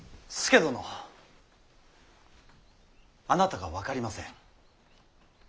あなたが分かりません。